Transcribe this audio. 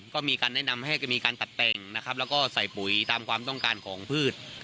ก็มีการแนะนำให้มีการตัดแต่งนะครับแล้วก็ใส่ปุ๋ยตามความต้องการของพืช